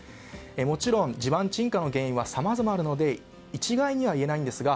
もちろん、地盤沈下の原因はさまざまあるので一概にはいえないんですが。